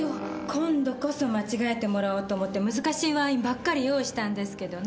今度こそ間違えてもらおうと思って難しいワインばっかり用意したんですけどね。